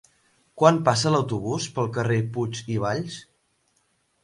Quan passa l'autobús pel carrer Puig i Valls?